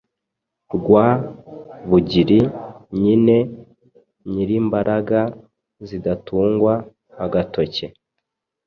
rwa-bugiri" nyine: nyirimbaraga zidatungwa agatoke.